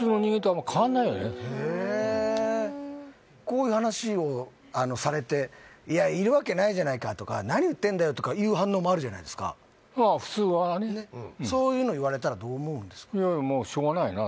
へえふんこういう話をされて「いやいるわけないじゃないか」とか「何言ってんだよ」とかいう反応もあるじゃないですかそういうの言われたらどう思うんですか？